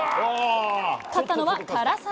勝ったのは唐澤。